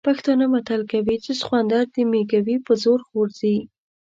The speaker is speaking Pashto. پښتانه متل کوي چې سخوندر د مېږوي په زور غورځي.